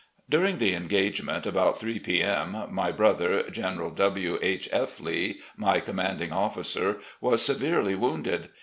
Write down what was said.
'' During the engagement, about 3 p. m., my brother. General W. H. F. Lee, my commanding officer, was severely wounded.